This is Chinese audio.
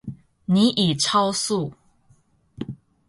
您已超速